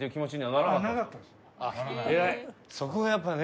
そこがやっぱね。